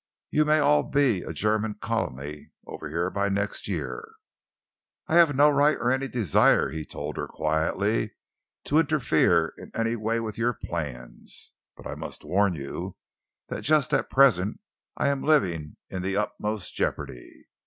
You may all be a German colony over here by next year." "I have no right or any desire," he told her quietly, "to interfere in any way with your plans, but I must warn you that just at present I am living in the utmost jeopardy.